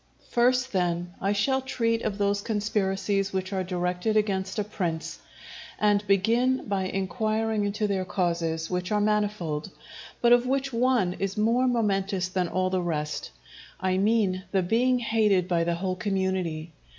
First, then, I shall treat of those conspiracies which are directed against a prince, and begin by inquiring into their causes, which are manifold, but of which one is more momentous than all the rest; I mean, the being hated by the whole community.